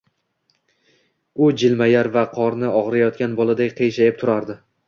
U jilmayar va qorni og`riyotgan boladay qiyshayib turardi